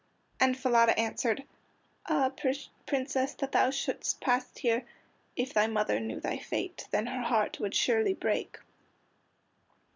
And Falada answered: "Ah, Princess, that thou shouldst pass here! If thy mother knew thy fate, Then her heart would surely break!"